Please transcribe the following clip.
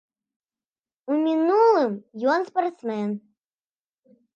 У мінулым ён спартсмен.